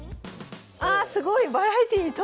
あすごい！